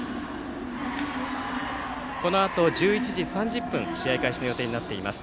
このあと１１時３０分試合開始予定になっています。